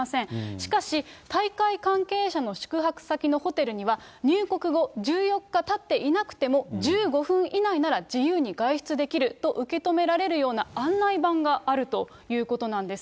しかし、大会関係者の宿泊先のホテルには入国後１４日たっていなくても、１５分以内なら自由に外出できると受け止められるような案内板があるということなんです。